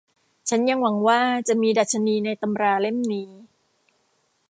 ฉันยังหวังว่าจะมีดัชนีในตำราเล่มนี้